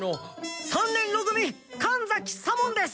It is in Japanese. ３年ろ組神崎左門です。